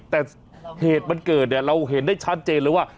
แต่เหตุมันเกิดเนี่ยเราเห็นได้ชัดเจนเลยว่า